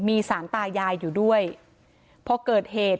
มีสารตายายอยู่ด้วยพอเกิดเหตุ